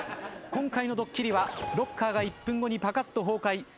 今回のドッキリはロッカーが１分後にぱかっと崩壊。